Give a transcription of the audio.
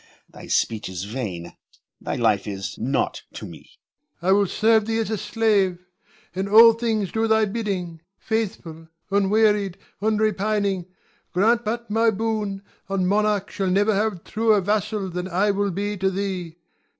Thy speech is vain; thy life is nought to me. Ion. I will serve thee as a slave; in all things do thy bidding, faithful, unwearied, unrepining. Grant but my boon, and monarch shall never have a truer vassal than I will be to thee.